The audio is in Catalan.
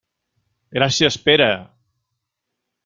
Gràcies, Pere.